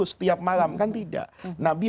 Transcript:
setiap malam kan tidak nabi